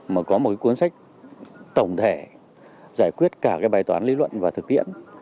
mà có một cuốn sách tổng thể giải quyết cả bài toán lý luận và thực hiện